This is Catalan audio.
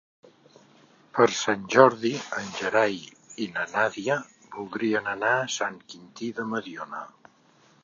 Per Sant Jordi en Gerai i na Nàdia voldrien anar a Sant Quintí de Mediona.